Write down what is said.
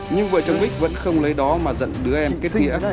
nhưng vợ chồng bích vẫn không lấy đó mà giận đứa em kết nghĩa